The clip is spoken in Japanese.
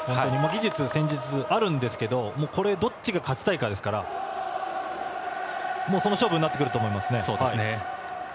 技術、戦術あるんですけどこれ、どっちが勝ちたいかですからもう、その勝負になってくると思いますね。